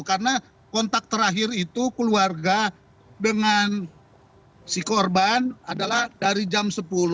karena kontak terakhir itu keluarga dengan si korban adalah dari jam sepuluh